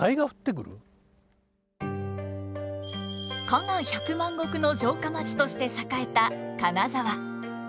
加賀百万石の城下町として栄えた金沢。